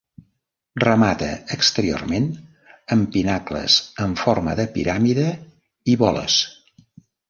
Remata exteriorment amb pinacles en forma de piràmide i boles.